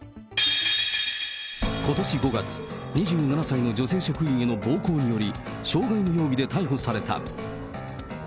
ことし５月、２７歳の女性職員への暴行により、傷害の容疑で逮捕された。